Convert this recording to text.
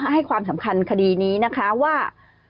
ให้ความสำคัญคดีนี้นะคะว่า